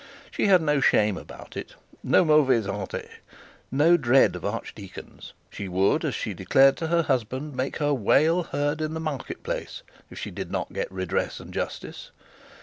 She had no shame about it, no mauvaise honte, no dread of archdeacons. She would, as she declared to her husband, make her wail heard in the market place if she did not get redress and justice.